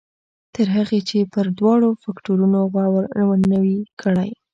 تر هغې چې پر دواړو فکټورنو غور نه وي کړی.